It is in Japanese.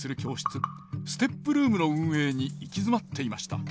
ＳＴＥＰルームの運営に行き詰まっていました。